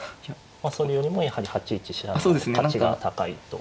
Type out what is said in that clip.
それよりもやはり８一飛車の価値が高いと。